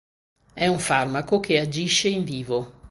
È un farmaco che agisce in vivo.